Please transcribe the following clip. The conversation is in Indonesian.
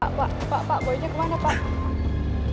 pak pak pak pak boynya kemana pak